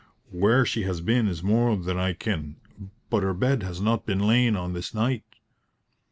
Where she has been is more than I ken, but her bed has not been lain on this night."